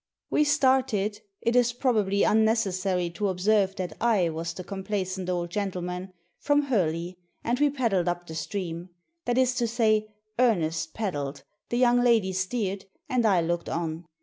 We started — it is probably unnecessary to observe that / was the complacent old gentleman — from Hurley, and we paddled up the stream — that is to say, Ernest paddled, the young lady steered, and I looked on.